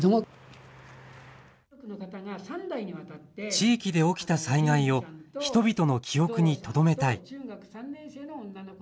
地域で起きた災害を人々の記憶にとどめたい。